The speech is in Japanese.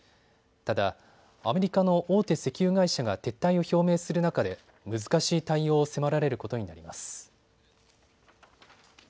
ただ、アメリカの大手石油会社が撤退を表明する中で難しい対応を迫られることになります。